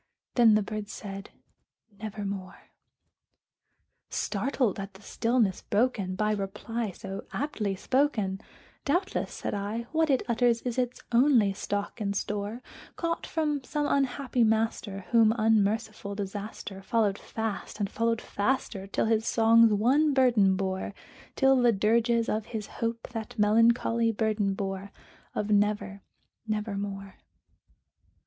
Then the bird said, "Nevermore." Startled at the stillness broken by reply so aptly spoken, "Doubtless," said I, "what it utters is its only stock and store, Caught from some unhappy master whom unmerciful Disaster Followed fast and followed faster till his songs one burden bore Till the dirges of his Hope that melancholy burden bore Of 'Never nevermore.'"